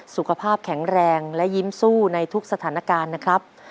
สุขภาพแข็งแรงและยิ้มสู้ในทุกสถานการณ์นะครับ